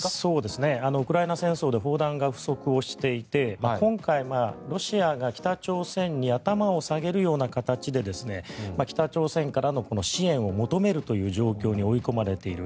ウクライナ戦争で砲弾が不足していて今回、ロシアが北朝鮮に頭を下げるような形で北朝鮮からの支援を求めるという状況に追い込まれている。